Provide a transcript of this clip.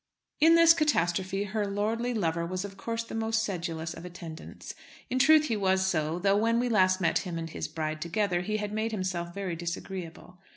In this catastrophe her lordly lover was of course the most sedulous of attendants. In truth he was so, though when we last met him and his bride together he had made himself very disagreeable.